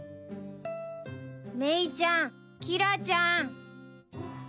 ・メイちゃんキラちゃん。